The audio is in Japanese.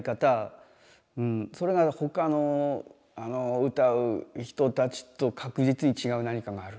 うんそれが他の歌う人たちと確実に違う何かがある。